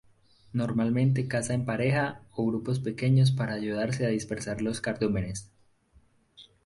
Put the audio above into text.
Normalmente caza en pareja o grupos pequeños para ayudarse a dispersar los cardúmenes.